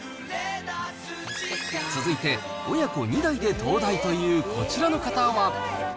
続いて、親子２代で東大というこちらの方は。